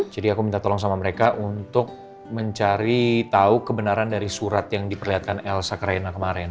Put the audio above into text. jadi aku minta tolong sama mereka untuk mencari tahu kebenaran dari surat yang diperlihatkan elsa ke rena kemarin